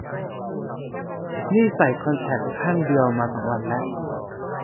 นี่ใส่คอนแทคข้างเดียวมาสองวันละ